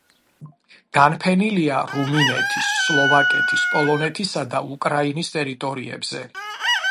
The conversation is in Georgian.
განფენილია რუმინეთის, სლოვაკეთის, პოლონეთისა და უკრაინის ტერიტორიებზე.